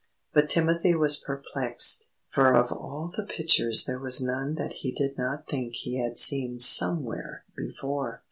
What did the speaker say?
But Timothy was perplexed, for of all the pictures there was none that he did not think he had seen somewhere before.